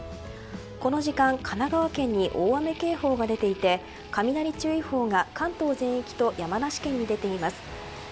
この時間神奈川県に大雨警報が出ていて雷注意報が関東全域と山梨県に出ています。